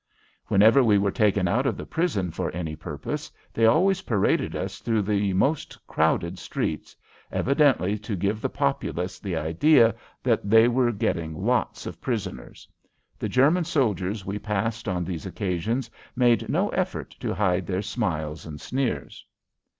Whenever we were taken out of the prison for any purpose they always paraded us through the most crowded streets evidently to give the populace an idea that they were getting lots of prisoners. The German soldiers we passed on these occasions made no effort to hide their smiles and sneers.